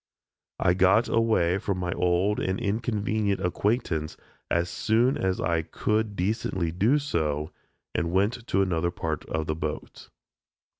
I got away from my old and inconvenient acquaintance as soon as I could decently do so, and went to another part of the boat.